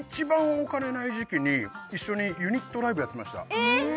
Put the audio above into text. お金ない時期に一緒にユニットライブやってましたえ！？